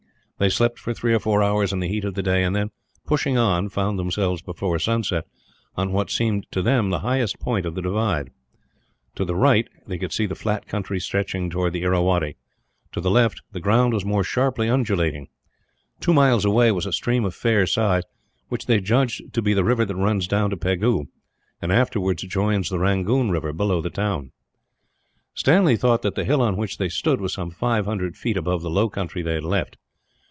They slept for three or four hours in the heat of the day; and then, pushing on, found themselves before sunset on what seemed to them the highest point of the divide. To the right they could see the flat country stretching towards the Irrawaddy, to the left the ground was more sharply undulating. Two miles away was a stream of fair size, which they judged to be the river that runs down to Pegu, and afterwards joins the Rangoon river below the town. Stanley thought that the hill on which they stood was some five hundred feet above the low country they had left.